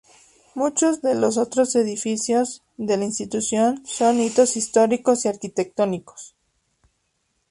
Muchos de los otros edificios de la Institución son hitos históricos y arquitectónicos.